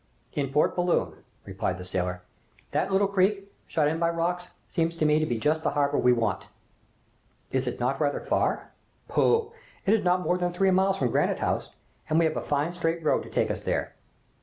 "In Port Balloon," replied the sailor. "That little creek, shut in by rocks, seems to me to be just the harbor we want." "Is it not rather far?" "Pooh! it is not more than three miles from Granite House, and we have a fine straight road to take us there!"